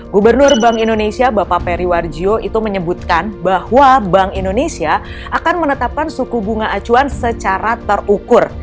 gubernur bank indonesia bapak periwarjo itu menyebutkan bahwa bank indonesia akan menetapkan suku bunga acuan secara terukur